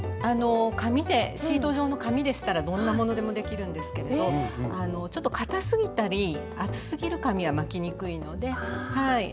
あの紙でシート状の紙でしたらどんなものでもできるんですけれどちょっとかたすぎたり厚すぎる紙は巻きにくいのではい。